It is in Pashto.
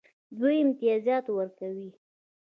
دوی امتیازات ورکوي.